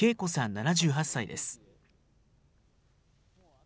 ７８歳です。